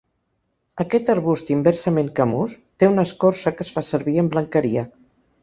Aquest arbust inversament camús té una escorça que es fa servir en blanqueria.